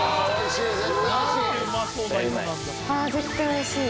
おいしい！